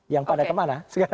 yang pada kemana